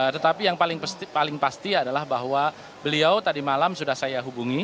tetapi yang paling pasti adalah bahwa beliau tadi malam sudah saya hubungi